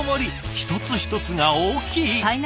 一つ一つが大きい！